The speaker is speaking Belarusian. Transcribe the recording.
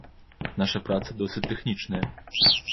Наша праца досыць тэхнічная.